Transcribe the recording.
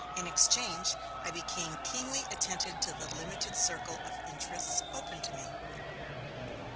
In exchange, I became keenly attentive to the limited circle of interests open to me.